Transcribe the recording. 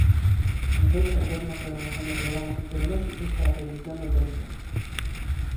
Comezou traballando na programación de programas meteorolóxicos para a predición do tempo.